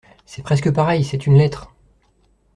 C’est presque pareil. C’est une lettre.